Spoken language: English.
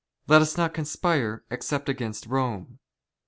Let us not con " spire except against Rome.